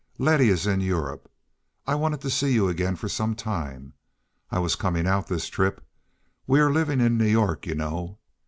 "Letty is in Europe. I've wanted to see you again for some time. I was coming out this trip. We are living in New York, you know.